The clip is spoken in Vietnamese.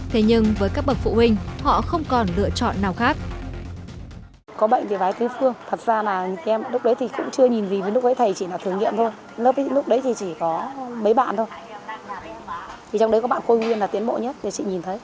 thế nhưng với các bậc phụ huynh họ không còn lựa chọn nào khác